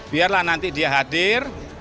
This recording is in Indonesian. biarlah nanti dia hadir